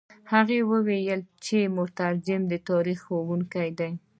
هغه وايي چې مترجم د تاریخ ښوونکی نه دی.